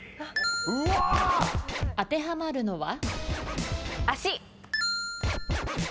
当てはまるのは？